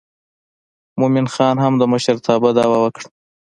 مومن خان هم د مشرتابه دعوه وکړه.